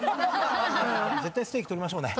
絶対ステーキ取りましょうね。